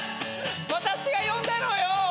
「私が呼んだのよ」